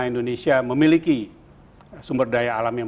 indonesia memiliki sumber daya alam yang